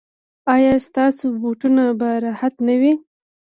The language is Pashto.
ایا ستاسو بوټونه به راحت نه وي؟